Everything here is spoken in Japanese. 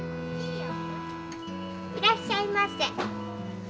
いらっしゃいませ。